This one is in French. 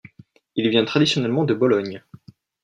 Il vient traditionnellement de Bologne.